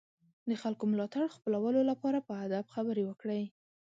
د خلکو ملاتړ خپلولو لپاره په ادب خبرې وکړئ.